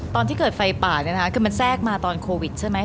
ตอนที่เกิดไฟป่าเนี่ยนะคะคือมันแทรกมาตอนโควิดใช่ไหม